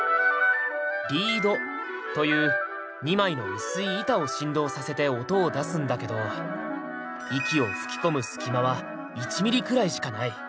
リードという２枚の薄い板を振動させて音を出すんだけど息を吹き込む隙間は１ｍｍくらいしかない。